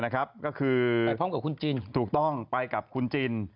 ก็คือมาไปกับคุณจิล